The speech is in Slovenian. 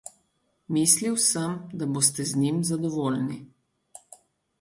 Mislil sem, da boste z njimi zadovoljni.